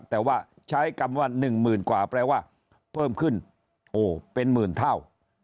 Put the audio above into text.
แต่ว่าใช้คำว่า๑๐๐๐กว่าแปลว่าเพิ่มขึ้นโอ้เป็นหมื่นเท่า